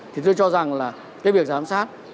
thì tôi cho rằng là cái việc giám sát